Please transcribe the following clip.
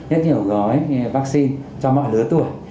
rất nhiều gói vaccine cho mọi lứa tuổi